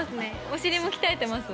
お尻も鍛えてます